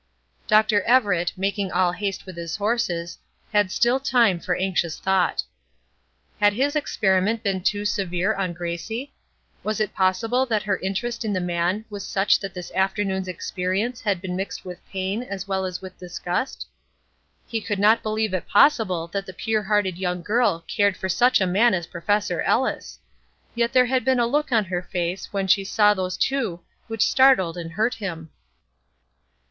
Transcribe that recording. Dr. Everett, making all haste with his horses, had still time for anxious thought. Had his experiment been too severe on Gracie? Was it possible that her interest in the man was such that the afternoon's experience had been mixed with pain as well as with disgust? He could not believe it possible that the pure hearted young girl cared for such a man as Professor Ellis! Yet there had been a look on her face when she saw those two which startled and hurt him.